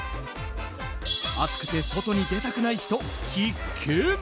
暑くて外に出たくない人、必見。